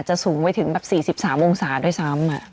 จะสูงไว้ถึง๔๓องศาด้วยซ้ำ